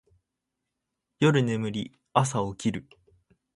夜眠り、朝起きる